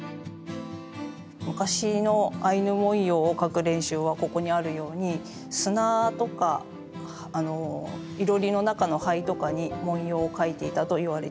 昔のアイヌ文様を描く練習はここにあるように砂とかいろりの中の灰とかに文様を描いていたといわれています。